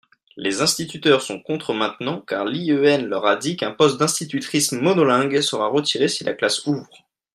les instituteurs sont contre maintenant car l'IEN leur a dit qu'un poste d'institutrice monolingue sera retiré si la classe ouvre.